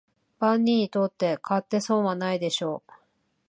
万人にとって買って損はないでしょう